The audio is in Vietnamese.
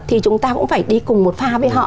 thì chúng ta cũng phải đi cùng một pha với họ